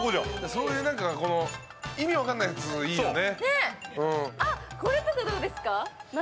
そういう意味分かんないやついいよね。